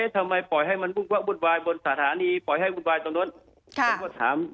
ทำไมปล่อยให้มันวุ่นวายบนสถานีปล่อยให้วุ่นวายตรงนู้นผมก็ถาม